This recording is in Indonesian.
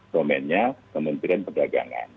domennya kementerian perdagangan